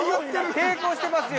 抵抗してますよ！